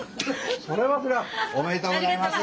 ありがとうございます。